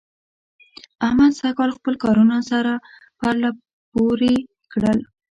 احمد سږکال خپل کارونه سره پرله پورې کړل.